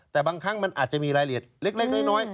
แต่บางครั้งมันอาจจะมีรายละเอียดเล็กน้อย